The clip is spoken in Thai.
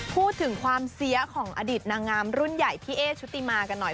พูดถึงความเสียของอดีตนางงามรุ่นใหญ่พี่เอ๊ชุติมากันหน่อย